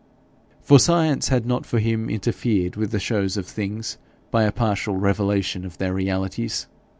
For science had not for him interfered with the shows of things by a partial revelation of their realities.